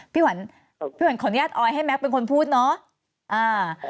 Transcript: พี่หวันขออนุญาตออยให้แก๊กเป็นคนพูดเนาะ